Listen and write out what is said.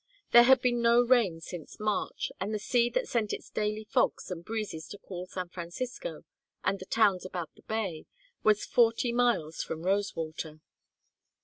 There had been no rain since March, and the sea that sent its daily fogs and breezes to cool San Francisco and the towns about the bay was forty miles from Rosewater.